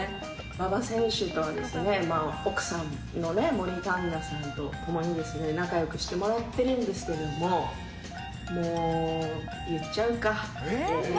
馬場選手とはですね、奥さんの森カンナさんと、ともに仲よくしてもらってるんですけれども、もう言っちゃうか。